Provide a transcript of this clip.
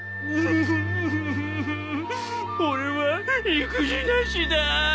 オレは意気地なしだ！